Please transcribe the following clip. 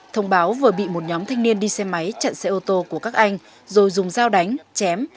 thông báo vừa bị một nhóm thanh niên đi xe máy chặn xe ô tô của các anh rồi dùng dao đánh chém